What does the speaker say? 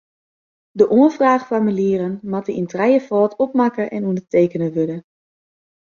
De oanfraachformulieren moatte yn trijefâld opmakke en ûndertekene wurde.